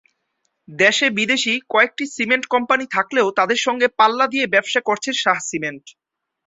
দেশে বিদেশী কয়েকটি সিমেন্ট কোম্পানি থাকলেও তাদের সঙ্গে পাল্লা দিয়ে ব্যবসা করছে শাহ সিমেন্ট।